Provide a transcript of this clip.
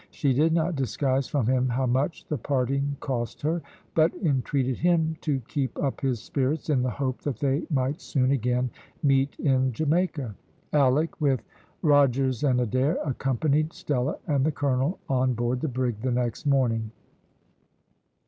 She did not disguise from him how much the parting cost her, but entreated him to keep up his spirits in the hope that they might soon again meet in Jamaica. Alick, with Rogers and Adair, accompanied Stella and the colonel on board the brig the next morning.